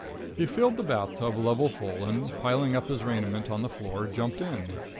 He filled the bath tub level full, and, piling up his raiment on the floor, jumped in.